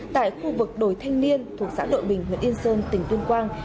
tại khu vực đồi thanh niên thuộc xã đội bình huyện yên sơn tỉnh tuyên quang